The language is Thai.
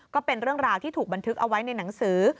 ก็เป็นเรื่องราวที่ถูกบันทึกเอาไว้ในหนังสือ